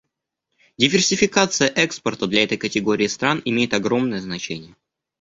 Диверсификация экспорта для этой категории стран имеет огромное значение.